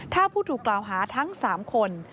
ถ้าผู้ถูกกล่าวหาทั้ง๓คน